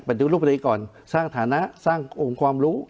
เป็นถึงภาษีละทีก่อนสร้างฐานะสร้างอุโมงค์ความลูก